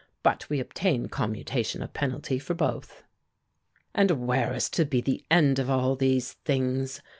But we obtained commutation of penalty for both." "And where is to be the end of all these things?"